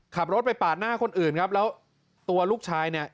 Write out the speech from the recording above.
ขับรถไปปาดหน้าคนอื่นครับแล้วตัวลูกชายเนี่ย